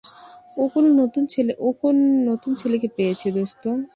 ও কোন নতুন ছেলেকে পেয়েছে, দোস্ত?